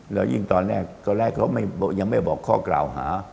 แล้วยิ่งตอนแรกตอนแรกเขายังไม่บอกข้อกล่าวหา